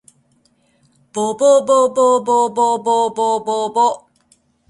ぼぼぼぼぼぼぼぼぼぼ